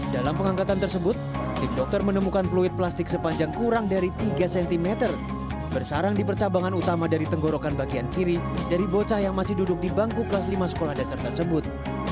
dalam pengangkatan tersebut tim dokter menemukan fluid plastik sepanjang kurang dari tiga cm bersarang di percabangan utama dari tenggorokan bagian kiri dari bocah yang masih duduk di bangku kelas lima sekolah dasar tersebut